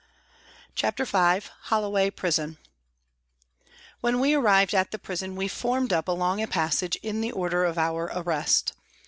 CHAPTER V HOLLOWAY PRISON WHEN we arrived at the prison we formed up along a passage in the order of our arrest.